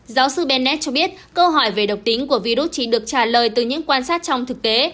giáo sư benned cho biết câu hỏi về độc tính của virus chỉ được trả lời từ những quan sát trong thực tế